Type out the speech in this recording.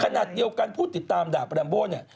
ขณะเดียวกันผู้ติดตามด่าประดัมโบ้นเนี่ย